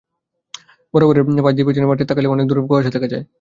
বড় ঘরের পাশ দিয়া পিছনের মাঠে তাকাইলে অনেক দূরে কুয়াশা দেখা যায়।